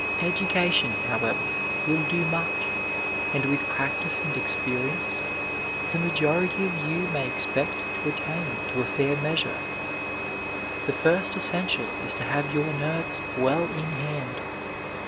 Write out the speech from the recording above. Education, however, will do much ; and with practice and ei^rience the majority of you may expect to attain to a fair measure. The first essential is to have your nerves well in hand.